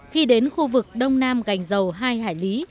khi đến khu vực đông nam gành dầu hai hải lý